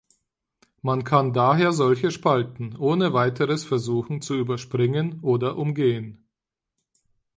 Man kann daher solche Spalten ohne weiteres versuchen zu überspringen oder umgehen.